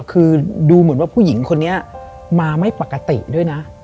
คือดูเหมือนว่าผู้หญิงคนนี้มาไม่ปกติด้วยนะ